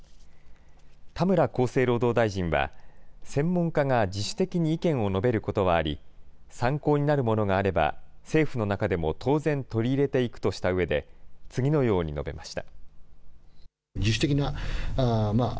田村厚生労働大臣は、専門家が自主的に意見を述べることはあり、参考になるものがあれば、政府の中でも当然取り入れていくとしたうえで、次のように述べました。